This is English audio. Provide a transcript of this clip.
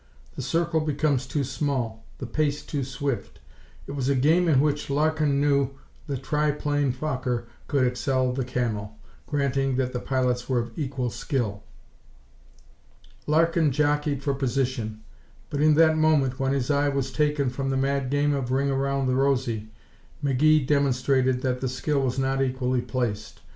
The circle becomes too small, the pace too swift. It was a game in which, Larkin knew, the tri plane Fokker could excel the Camel, granting that the pilots were of equal skill. Larkin jockeyed for position, but in that moment when his eye was taken from the mad game of ring around the rosy, McGee demonstrated that the skill was not equally placed.